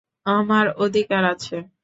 আমার অধিকার আছে।